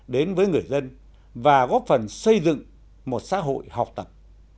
đến với người dân và góp phần xây dựng một xã hội học tập